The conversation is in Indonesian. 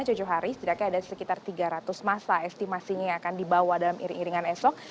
jojo hari setidaknya ada sekitar tiga ratus masa estimasinya yang akan dibawa dalam iring iringan esok